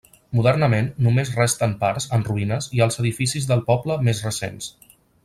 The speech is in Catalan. Modernament només resten parts en ruïnes i els edificis del poble més recents.